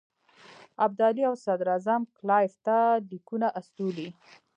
ابدالي او صدراعظم کلایف ته لیکونه استولي.